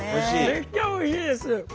めっちゃおいしいです！